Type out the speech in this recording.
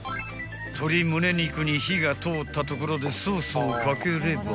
［鶏むね肉に火が通ったところでソースをかければ］